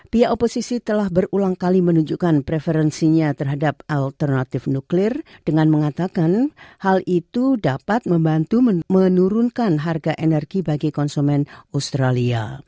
pihak oposisi telah berulang kali menunjukkan preferensinya terhadap alternatif nuklir dengan mengatakan hal itu dapat membantu menurunkan harga energi bagi konsumen australia